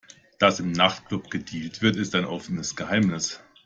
Dass im Nachtclub gedealt wird, ist ein offenes Geheimnis.